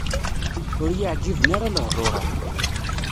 Ur yi-εǧiben ara lehdur-a.